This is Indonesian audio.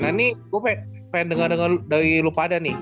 nah ini gue pengen denger dengar dari lu pada nih